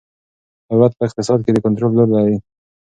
دولت په اقتصاد کې د کنترول رول لري.